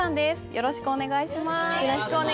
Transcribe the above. よろしくお願いします。